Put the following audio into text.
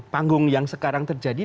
panggung yang sekarang terjadi